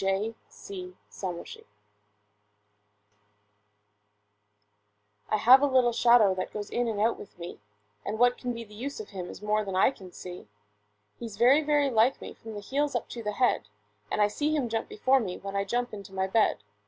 [Pg 20] MY SHADOW I have a little shadow that goes in and out with me, And what can be the use of him is more than I can see. He is very, very like me from the heels up to the head; And I see him jump before me, when I jump into my bed.